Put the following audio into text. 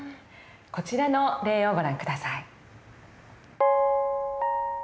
こちらの例をご覧下さい。